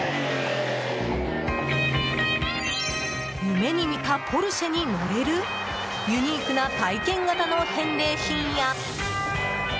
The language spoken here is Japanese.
夢に見たポルシェに乗れるユニークな体験型の返礼品や。